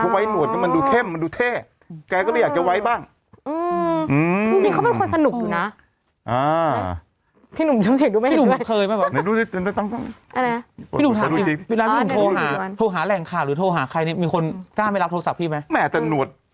ไว้หนวดก็มันดูเข้มมันดูเท่แกก็เลยอยากจะไว้บ้าง